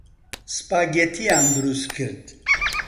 سپاگێتییان دروست کرد.